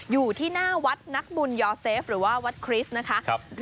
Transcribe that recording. อยู่ที่หน้าวัดนักบุญยอเซฟหรือว่าวัดคริสต์นะคะ